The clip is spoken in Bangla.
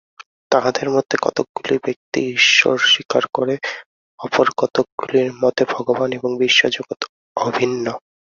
তাহাদের মধ্যে কতকগুলি ব্যক্তি-ঈশ্বর স্বীকার করে, অপর কতকগুলির মতে ভগবান এবং বিশ্বজগৎ অভিন্ন।